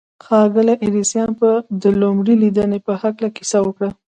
ښاغلي ايډېسن د لومړۍ ليدنې په هکله کيسه وکړه.